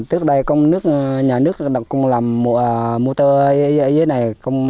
tức đây nhà nước cũng làm mùa tơ ở dưới này